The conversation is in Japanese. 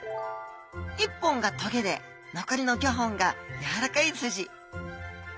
１本が棘で残り５本がやわらかいスジ。